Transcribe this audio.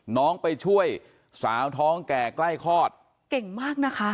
น้องไปช่วยสาวท้องแก่ใกล้คลอดเก่งมากนะคะ